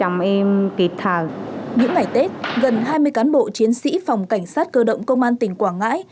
những ngày tết gần hai mươi cán bộ chiến sĩ phòng cảnh sát cơ động công an tỉnh quảng ngãi